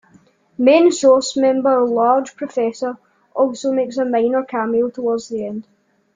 Main Source member Large Professor also makes a minor cameo towards the end.